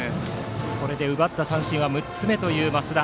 これで奪った三振６つ目の増田。